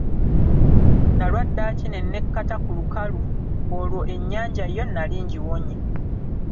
Nalwa ddaaki ne nekkata ku lukalu, olwo ennyanja yo nali ngiwonye.